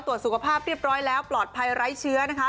ตรวจสุขภาพเรียบร้อยแล้วปลอดภัยไร้เชื้อนะคะ